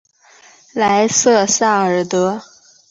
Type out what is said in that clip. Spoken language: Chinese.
莱瑟萨尔德。